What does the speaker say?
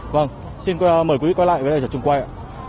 vâng xin mời quý vị quay lại với lại trật chung quay ạ